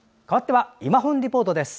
かわっては「いまほんリポート」です。